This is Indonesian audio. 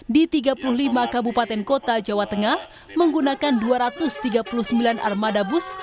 di tiga puluh lima kabupaten kota jawa tengah menggunakan dua ratus tiga puluh sembilan armada bus